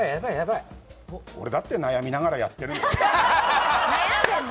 俺だって悩みながらやってるんだよ。